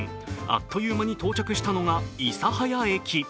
あっという間に到着したのが諫早駅。